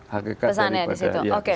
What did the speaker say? pesannya di situ